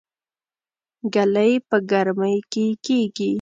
ګلۍ په ګرمۍ کې کيږي